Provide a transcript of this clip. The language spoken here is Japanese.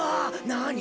なに？